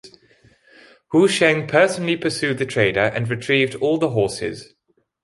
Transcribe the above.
Hou Cheng personally pursued the trader and retrieved all the horses.